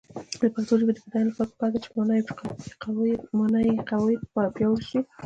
د پښتو ژبې د بډاینې لپاره پکار ده چې معنايي قواعد پیاوړې شي.